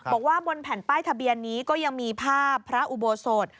บอกว่าบนแผ่นป้ายทะเบียนนี้ก็ยังมีภาพพระอุโบสถ